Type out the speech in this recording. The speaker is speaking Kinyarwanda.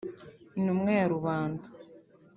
Intumwa ya rubanda